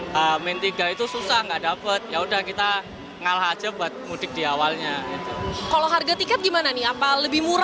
berarti hari ini berangkat nanti balik ke jakarta lagi kapan nih pak bu